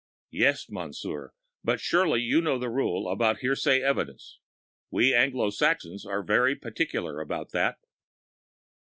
Yes, Monsieur, but surely you know the rule about hearsay evidence. We Anglo Saxons are very particular about that.